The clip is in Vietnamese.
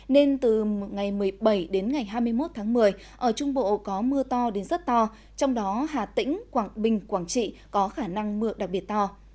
nên từ ngày một mươi bảy đến ngày hai mươi một tháng một mươi ở trung bộ có mưa to đến rất to trong đó hà tĩnh quảng bình quảng trị có khả năng mưa đặc biệt to